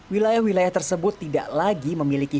wilayah wilayah tersebut tidak lagi memiliki